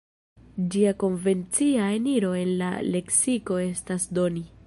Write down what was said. Ĝia konvencia eniro en la leksiko estas "doni".